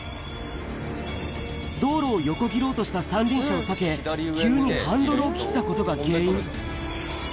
道路を横切ろうとした三輪車を避け、急にハンドルを切ったことが原因。